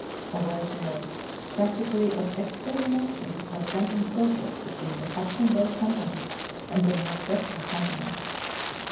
A war fare, practically of extermination, was then in progress between the Hudson Bay Company and the North western Company.